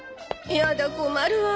やだ困るわ。